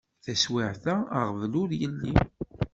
Taswiεt-a aɣbel ur yelli.